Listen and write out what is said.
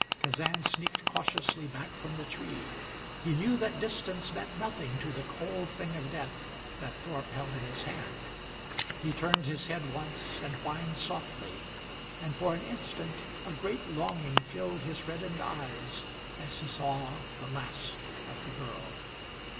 Kazan sneaked cautiously back from the tree. He knew that distance meant nothing to the cold thing of death that Thorpe held in his hand. He turned his head once, and whined softly, and for an instant a great longing filled his reddened eyes as he saw the last of the girl.